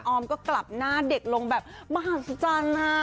ออมก็กลับหน้าเด็กลงแบบมหัศจรรย์ค่ะ